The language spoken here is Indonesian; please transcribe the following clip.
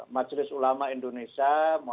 majelis ulama indonesia